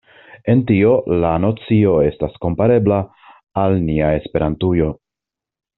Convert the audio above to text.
En tio la nocio estas komparebla al nia Esperantujo.